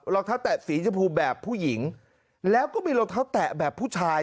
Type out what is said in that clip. รองเท้าแตะสีชมพูแบบผู้หญิงแล้วก็มีรองเท้าแตะแบบผู้ชาย